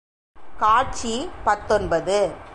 காட்சி பத்தொன்பது .